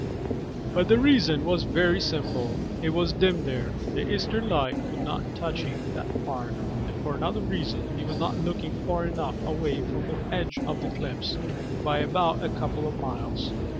But the reason was very simple. It was dim there, the eastern light not touching that part, and for another reason he was not looking far enough away from the edge of the cliffs by about a couple of miles.